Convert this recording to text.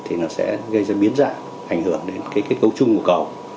thì nó sẽ gây ra biến dạng ảnh hưởng đến cái kết cấu chung của cầu